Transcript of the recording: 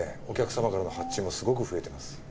お客様からの発注もすごく増えてます。